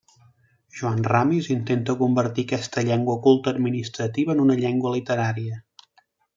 Joan Ramis intenta convertir aquesta llengua culta administrativa en una llengua literària.